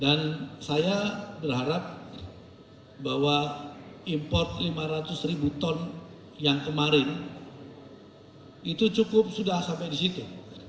dan saya berharap bahwa import lima ratus ribu ton yang kemarin itu cukup sudah sampai di situ